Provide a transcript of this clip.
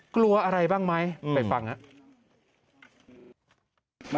กลัวอะไรบ้างไหมไปฟังครับ